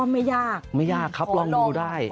ไม่ยากครับลองดูได้